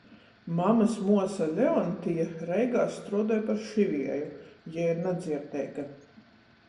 Mamys muosa Leontija Reigā struodoj par šivieju, jei ir nadzierdeiga.